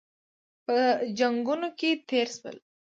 په جنګونو کې تېر شول.